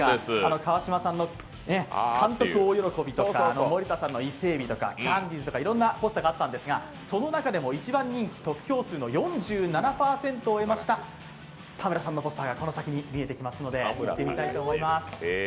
川島さんの監督大喜びとか森田さんの伊勢エビとかキャンディーズとかいろんなポスターがあったんですが、その中でも一番人気、得票数の４７％を得ました田村さんのポスターがこの先に見えてきますので行ってみたいと思います。